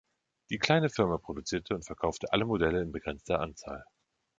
Die kleine Firma produzierte und verkaufte alle Modelle in begrenzter Anzahl.